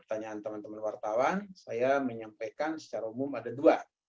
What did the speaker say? pertanyaan teman teman wartawan saya menyampaikan secara umum ada dua